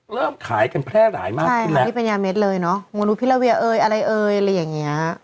เริ่มขายกันแพร่หลายมากขึ้นแล้วใช่หาที่ปัญญาเม็ดเลยเนอะมนุภิระเวียเอ้ยอะไรเอ้ยอะไรอย่างเงี้ย